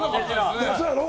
そやろ？